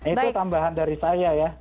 itu tambahan dari saya ya